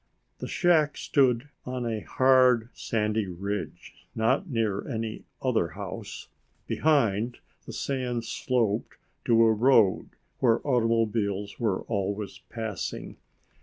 The shack stood on a hard sandy ridge, not near any other house. Behind, the sand sloped to a road where automobiles were always passing.